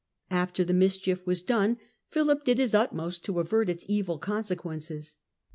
After the mischief was done, Philip did his utmost to avert its evil consequences.